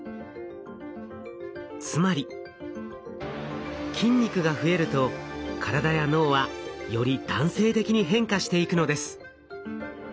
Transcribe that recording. つまり筋肉が増えると体や脳はより男性的に変化していくのです。